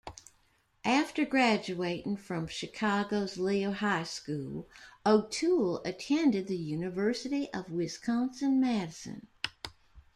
After graduating from Chicago's Leo High School, O'Toole attended the University of Wisconsin-Madison.